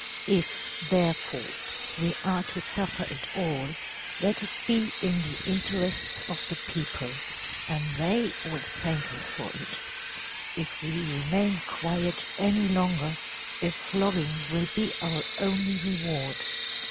If, therefore, we are to suffer at all, let it be in the interests of the people‚ÄĒand they will thank us for it. If we remain quiet any longer a flogging will be our only reward.